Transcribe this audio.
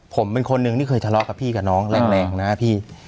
ผมเป็นคนหนึ่งที่เคยทะเลาะกับพี่กับน้องแรงนะพี่